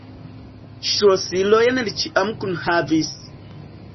Ŝlosilojn li ĉiam kunhavis.